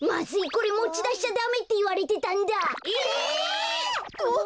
これもちだしちゃダメっていわれてたんだ。